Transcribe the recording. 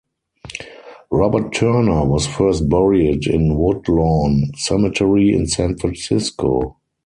Robert Turner was first buried in Woodlawn Cemetery in San Francisco.